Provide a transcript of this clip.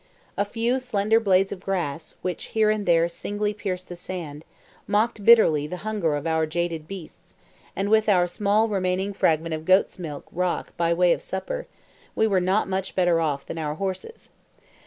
A few slender blades of grass, which here and there singly pierced the sand, mocked bitterly the hunger of our jaded beasts, and with our small remaining fragment of goat's milk rock by way of supper, we were not much better off than our horses.